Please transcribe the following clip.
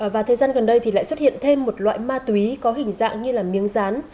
và thời gian gần đây thì lại xuất hiện thêm một loại ma túy có hình dạng như miếng rán